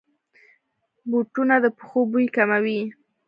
بوټونه د پښو بوی کموي.